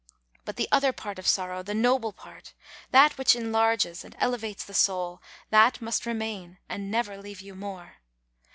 But the other part of sorrow, the noble part that which enlarges and elevates the soul that must remain and never leave you more.